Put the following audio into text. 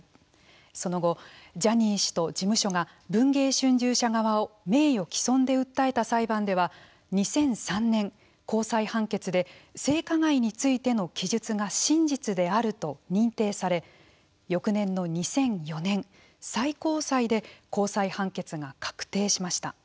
その後、ジャニー氏と事務所が文藝春秋社側を名誉毀損で訴えた裁判では２００３年、高裁判決で性加害についての記述が真実であると認定され翌年の２００４年最高裁で高裁判決が確定しました。